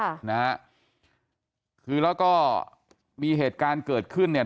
ค่ะนะฮะคือแล้วก็มีเหตุการณ์เกิดขึ้นเนี่ย